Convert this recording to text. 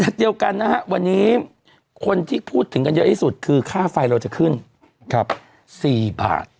เดียวกันนะฮะวันนี้คนที่พูดถึงกันเยอะที่สุดคือค่าไฟเราจะขึ้น๔บาท